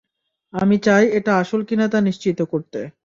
আমি চাই এটা আসল কিনা তা নিশ্চিত করতে।